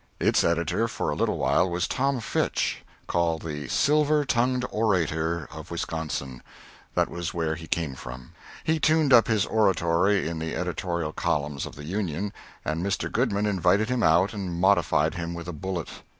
Its editor for a little while was Tom Fitch, called the "silver tongued orator of Wisconsin" that was where he came from. He tuned up his oratory in the editorial columns of the "Union," and Mr. Goodman invited him out and modified him with a bullet.